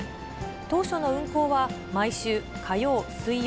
当初の運航は毎週火曜、水曜、